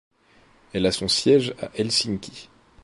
Elle a son siège à Helsinki.